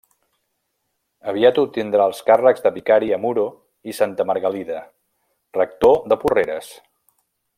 Aviat obtindrà els càrrecs de vicari a Muro i Santa Margalida; rector de Porreres.